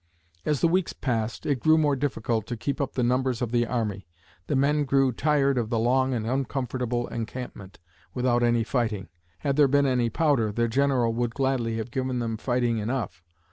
As the weeks passed, it grew more difficult to keep up the numbers of the army. The men grew tired of the long and uncomfortable encampment without any fighting. Had there been any powder, their General would gladly have given them fighting enough!